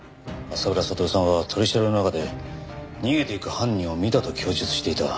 浅倉悟さんは取り調べの中で逃げていく犯人を見たと供述していた。